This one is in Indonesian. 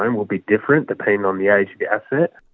akan berbeda bergantung pada umur pinjaman